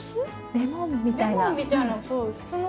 レモンみたいなそうその。